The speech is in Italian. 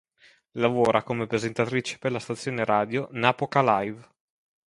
Lavora come presentatrice per la stazione radio Napoca Live.